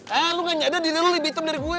eh lo gak nyadar diri lo lebih hitam dari gue